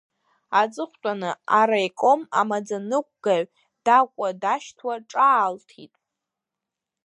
Аҵыхәтәаны, араиком амаӡаныҟәгаҩ дакуа-дашьҭуа ҿаалҭит…